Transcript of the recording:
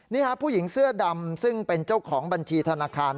นี่ค่ะผู้หญิงเสื้อดำซึ่งเป็นเจ้าของบัญชีธนาคาร